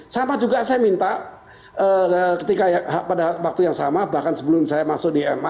sama juga saya minta ketika pada waktu yang sama bahkan sebelum saya masuk di ma